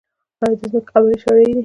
آیا د ځمکې قبالې شرعي دي؟